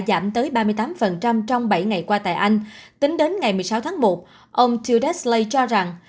giảm tới ba mươi tám trong bảy ngày qua tại anh tính đến ngày một mươi sáu tháng một ông teleslay cho rằng